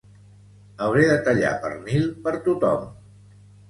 Hauré de tallar pernil per tothom